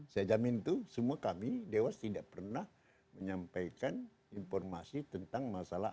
saya jamin itu semua kami dewas tidak pernah menyampaikan informasi tentang masalah